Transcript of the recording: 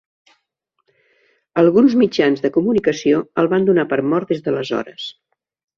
Alguns mitjans de comunicació el van donar per mort des d'aleshores.